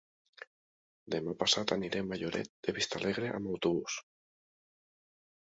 Demà passat anirem a Lloret de Vistalegre amb autobús.